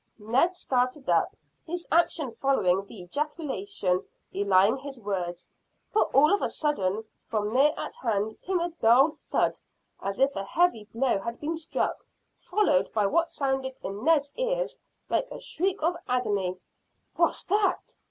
Ned started up, his action following the ejaculation belying his words, for all of a sudden from near at hand came a dull thud as if a heavy blow had been struck, followed by what sounded in Ned's ears like a shriek of agony. "What's that?"